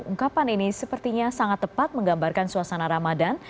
ungkapan ini sepertinya sangat tepat menggambarkan suasana ramadan